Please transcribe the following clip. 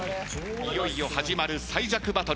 いよいよ始まる最弱バトル。